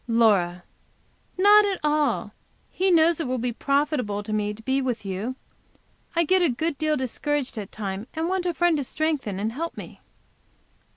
Laura. "Not at all. He knows it will be profitable to me to be with you. I get a good deal discouraged at times, and want a friend to strengthen and help me."